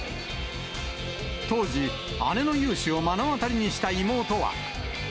当時、姉の雄姿を目の当たりにした妹は。